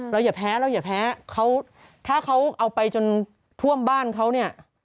อย่าแพ้เราอย่าแพ้เขาถ้าเขาเอาไปจนท่วมบ้านเขาเนี่ย